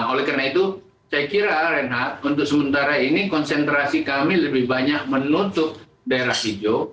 oleh karena itu saya kira reinhardt untuk sementara ini konsentrasi kami lebih banyak menutup daerah hijau